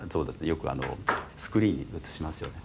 よくスクリーンに映しますよね。